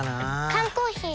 缶コーヒー